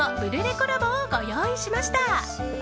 コラボをご用意しました。